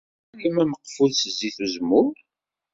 Tḥemmlem ameqful s zzit uzemmur?